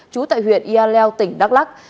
chú tại huyện yaleo tỉnh đắk lắc